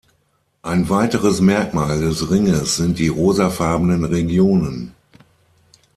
Ein weiteres Merkmal des Ringes sind die rosafarbenen Regionen.